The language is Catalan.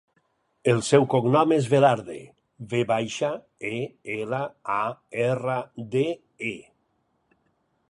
El seu cognom és Velarde: ve baixa, e, ela, a, erra, de, e.